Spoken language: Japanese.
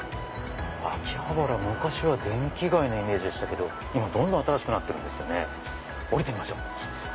秋葉原昔は電気街のイメージでしたけど今新しくなってるんですよね降りてみましょう。